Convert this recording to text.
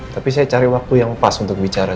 tapi saya cari waktu yang pas untuk bicara